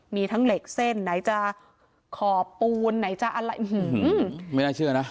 มีทั้งเหล็กเส้นไหนจะขอบปูนไหนจะอะไรไม่น่าเชื่อนะ